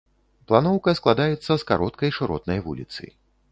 Планоўка складаецца з кароткай шыротнай вуліцы.